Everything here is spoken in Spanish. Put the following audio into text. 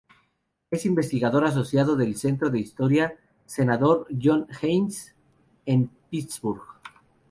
Es investigador asociado del "Centro de Historia Senador John Heinz", en Pittsburgh.